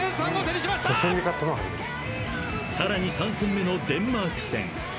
［さらに３戦目のデンマーク戦］